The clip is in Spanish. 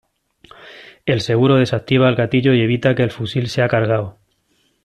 El seguro desactiva el gatillo y evita que el fusil sea cargado.